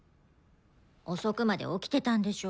遅くまで起きてたんでしょ。